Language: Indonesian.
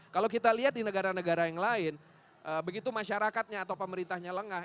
kalau kita lihat di negara negara yang lain begitu masyarakatnya atau pemerintahnya lengah